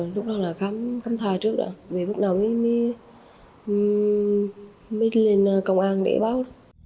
lúc đó là khám thai trước rồi vì lúc nào mới lên công an để báo